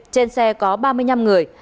trên xe có ba mươi năm người